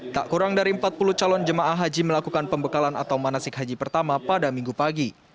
tak kurang dari empat puluh calon jemaah haji melakukan pembekalan atau manasik haji pertama pada minggu pagi